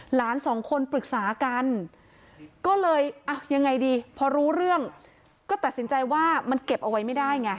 หลานสองคนปรึกษากันก็เลยเอายังไงดีพอรู้เรื่องก็ตัดสินใจว่ามันเก็บเอาไว้ไม่ได้ไง